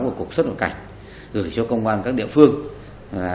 của cuộc xuất vào cảnh gửi cho công an các địa phương